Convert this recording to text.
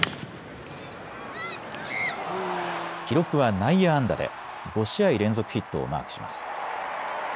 記録は内野安打で５試合連続ヒットをマークします。